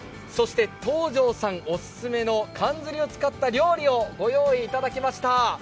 そして東條さんおすすめのかんずりを使った料理を御用意いただきました。